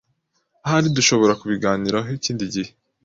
Ahari dushobora kubiganiraho ikindi gihe.